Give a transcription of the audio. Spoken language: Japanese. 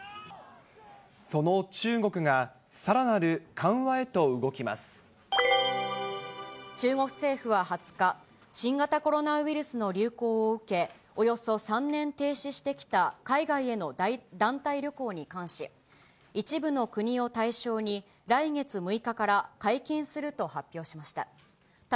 その中国が、中国政府は２０日、新型コロナウイルスの流行を受け、およそ３年停止してきた海外への団体旅行に関し、一部の国を対象に、来月６日から解禁すると発表しました。